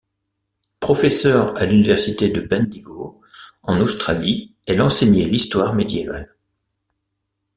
Professeur à l'université de Bendigo, en Australie, elle enseignait l'histoire médiévale.